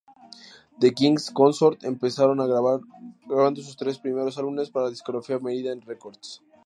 The King's Consort empezaron grabando sus tres primeros álbumes para la discográfica Meridian Records.